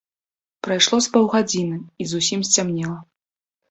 Прайшло з паўгадзiны, i зусiм сцямнела.